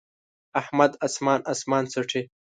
احمد اسمان اسمان څټي.